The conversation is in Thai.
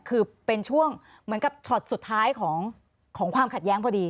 คือเป็นช่วงเหมือนกับช็อตสุดท้ายของความขัดแย้งพอดี